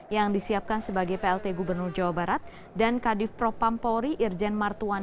yang disiapkan sebagai penyelenggara